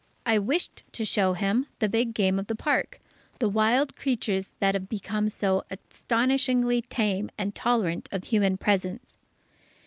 I wished to show him the big game of the Park, the wild creatures that have become so astonishingly tame and tolerant of human presence.